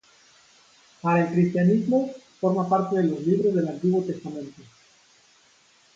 Para el cristianismo, forma parte de los libros del Antiguo Testamento.